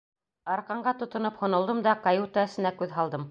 Арҡанға тотоноп һонолдом да каюта эсенә күҙ һалдым.